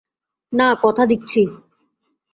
না, কথা দিচ্ছি।